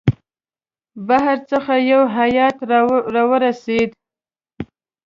بهر څخه یو هیئات را ورسېد.